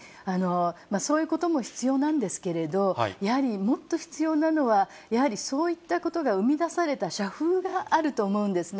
そういうことも必要なんですけれども、やはりもっと必要なのは、やはりそういったことが生み出された社風があると思うんですね。